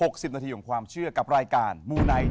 ๖๐นาทีของความเชื่อกับรายการมูไนท